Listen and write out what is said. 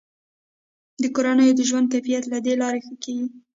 د کورنیو د ژوند کیفیت له دې لارې ښه کیږي.